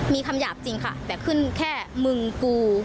มีคำหยาบจริงค่ะแต่ขึ้นแค่มึงกู